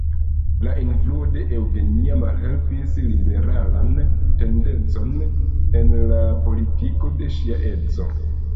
La influo de Eugenia malhelpis liberalan tendencon en la politiko de ŝia edzo.